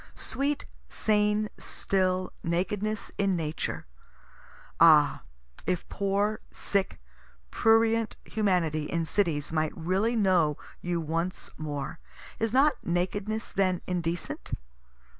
Sweet, sane, still Nakedness in Nature! ah if poor, sick, prurient humanity in cities might really know you once more! Is not nakedness then indecent?